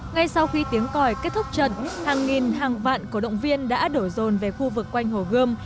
ngay sau khi tiếng còi kết thúc trận hàng nghìn hàng vạn cổ động viên đã đổ rồn về khu vực quanh hồ gươm